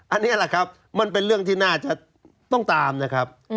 อันนี้แหละครับมันเป็นเรื่องที่น่าจะต้องตามนะครับ